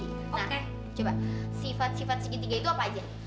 oke coba sifat sifat segitiga itu apa aja